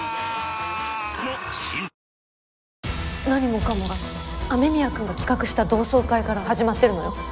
何もかもが雨宮くんが企画した同窓会から始まってるのよ。